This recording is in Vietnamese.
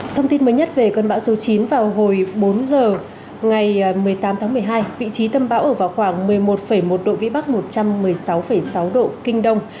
thông tin mới nhất về cơn bão số chín vào hồi bốn giờ ngày một mươi tám tháng một mươi hai vị trí tâm bão ở vào khoảng một mươi một một độ vĩ bắc một trăm một mươi sáu sáu độ kinh đông